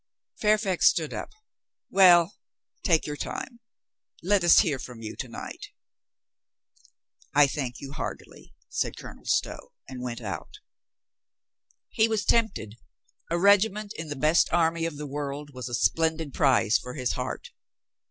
Fairfax stood up. "Well, take your time. Let us hear from you to night." "I thank you heartily," said Colonel Stow, and went out. He was tempted. A regiment In the best army of the world was a splendid prize for his heart.